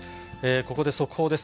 ここで速報です。